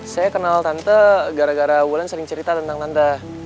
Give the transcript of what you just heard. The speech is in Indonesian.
saya kenal tante gara gara wulan sering cerita tentang nanta